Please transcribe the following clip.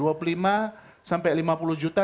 rp dua puluh lima sampai rp lima puluh juta